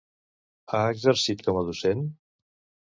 Ha exercit com a docent?